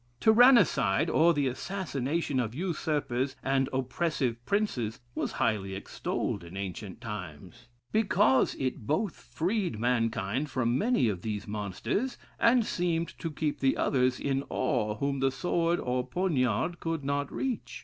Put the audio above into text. Tyrannicide, or the assassination of usurpers and oppressive princes, was highly extolled in ancient times; because it both freed mankind from many of these monsters, and seemed to keep the others in awe whom the sword or poniard could not reach.